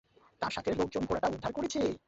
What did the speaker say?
তার সাথের লোকজন ঘোড়াটা উদ্ধার করেছে।